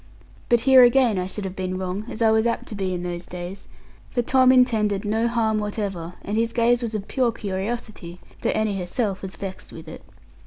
But here again I should have been wrong, as I was apt to be in those days; for Tom intended no harm whatever, and his gaze was of pure curiosity; though Annie herself was vexed with it.